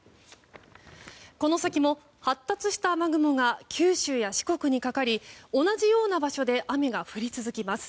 この先も発達した雨雲が九州や四国にかかり同じような場所で雨が降り続けます。